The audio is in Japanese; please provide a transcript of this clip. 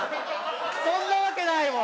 そんなわけないもん！